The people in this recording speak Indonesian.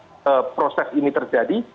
sehingga konflik of interest ini terjadi